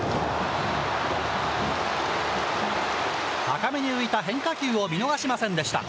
高めに浮いた変化球を見逃しませんでした。